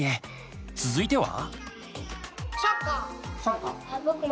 続いては？